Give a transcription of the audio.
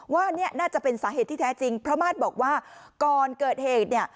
ว่าเนี่ยน่าจะเป็นสาเหตุที่แท้จริงพระมาสบอกว่าก่อนเกิดเหตุเนี่ย